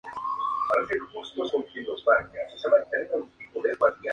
vosotros no partís